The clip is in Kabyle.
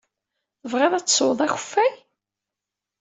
Tebɣiḍ ad tesweḍ akeffay?